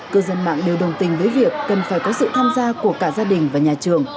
cư dân mạng đều đồng tình với việc cần phải có sự tham gia của cả gia đình và nhà trường